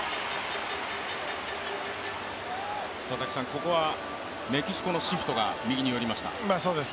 ここはメキシコのシフトが右に寄りました。